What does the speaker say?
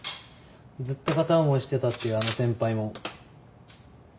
ずっと片思いしてたっていうあの先輩も。